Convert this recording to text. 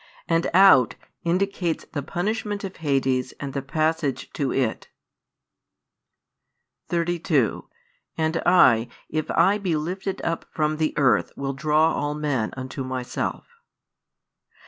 And "out" indicates the punishment of Hades and the passage to it. 32 And I, if I be lifted up from, the earth, will draw all men unto Myself.